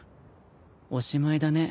おしまいだね。